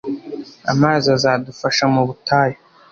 amazi azadufasha mu butayu